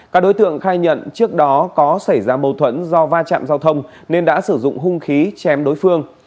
các đối tượng khai nhận trước đó có xảy ra mâu thuẫn do va chạm giao thông nên đã sử dụng hung khí chém đối phương